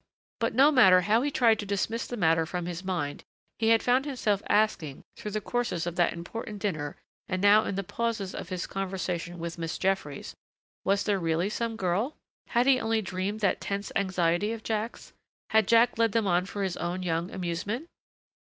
But no matter how he tried to dismiss the matter from his mind he had found himself asking, through the courses of that important dinner and now in the pauses of his conversation with Miss Jeffries Was there really some girl? Had he only dreamed that tense anxiety of Jack's had Jack led them on for his own young amusement?